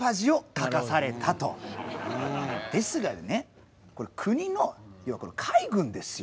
ですがね国の要はこれ海軍ですよ。